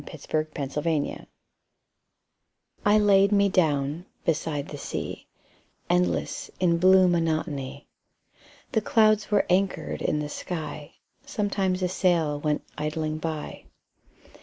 7 Autoplay I laid me down beside the sea, Endless in blue monotony; The clouds were anchored in the sky. Sometimes a sail went idling by.